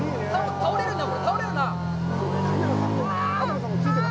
倒れるな！